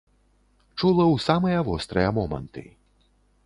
Чула ў самыя вострыя моманты.